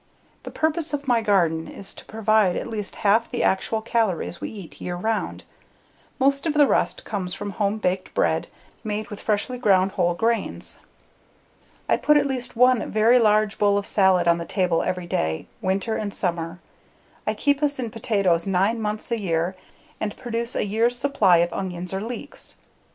The purpose of my garden is to provide at least half the actual calories we eat year round; most of the rest comes from home baked bread made with freshly ground whole grains. I put at least one very large bowl of salad on the table every day, winter and summer. I keep us in potatoes nine months a year and produce a year's supply of onions or leeks.